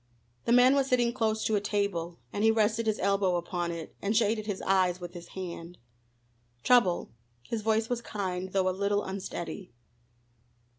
The man was sitting close to a table, and he rested his elbow upon it, and shaded his eyes with his hand. "Trouble?" his voice was kind, though a little unsteady.